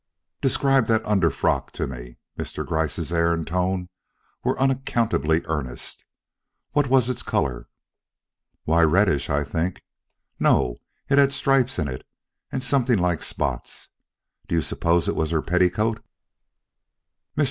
"Describe that under frock to me." Mr. Gryce's air and tone were unaccountably earnest. "What was its color?" "Why, reddish, I think. No, it had stripes in it and something like spots. Do you suppose it was her petticoat?"